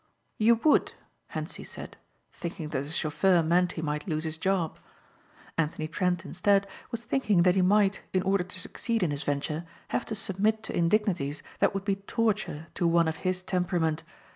"You would," Hentzi said thinking that the chauffeur meant he might lose his job. Anthony Trent, instead, was thinking that he might, in order to succeed in his venture, have to submit to indignities that would be torture to one of his temperament.